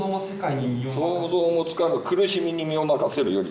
「想像もつかぬ苦しみに身を任せるより」